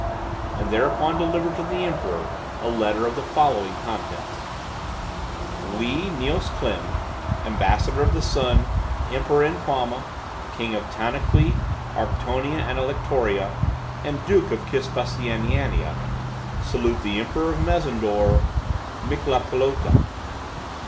and thereupon delivered to the emperor a letter of the following contents: "We, Niels Klim, ambassador of the sun, emperor in Quama, king of Tanaqui, Arctonia, and Alectoria, and duke of Kispusianania, salute the emperor of Mezendore, Miklopolata.